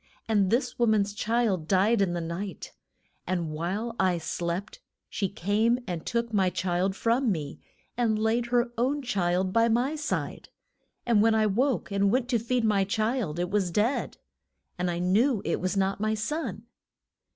And this wo man's child died in the night, and while I slept she came and took my child from me, and laid her own child by my side. And when I woke, and went to feed my child, it was dead. And I knew it was not my son.